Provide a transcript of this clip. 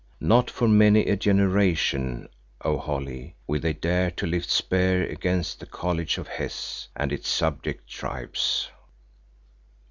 Not for many a generation, O Holly, will they dare to lift spear against the College of Hes and its subject Tribes."